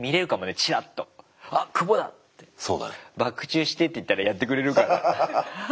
「バク宙して」って言ったらやってくれるかな？